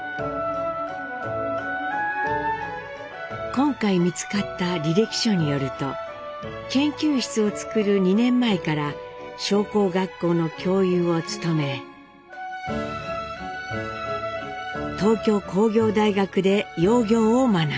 今回見つかった履歴書によると研究室をつくる２年前から商工学校の教諭を務め東京工業大学で窯業を学んでいます。